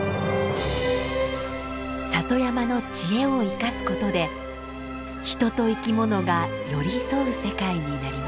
里山の知恵を生かすことで人と生き物が寄り添う世界になりました。